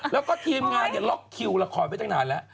แล้วก็ทีมงานล็อกคิวละครไปตั้งนานแล้ว